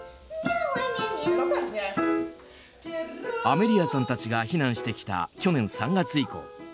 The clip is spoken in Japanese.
アメリアさんたちが避難してきた去年３月以降